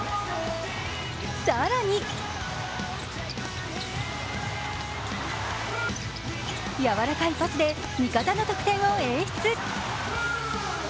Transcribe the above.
更にやわらかいパスで味方の得点を演出。